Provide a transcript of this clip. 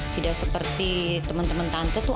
tidak seperti teman teman tante tuh